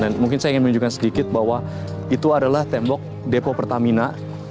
dan mungkin saya ingin menunjukkan sedikit bahwa itu adalah tembok depo pertamina